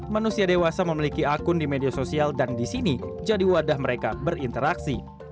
manusia dewasa memiliki akun di media sosial dan di sini jadi wadah mereka berinteraksi